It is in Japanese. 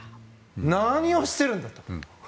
何をしてるんだと。